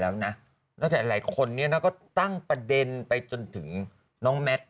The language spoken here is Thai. แล้วนะแล้วแต่หลายคนนี้นะก็ตั้งประเด็นไปจนถึงน้องแมท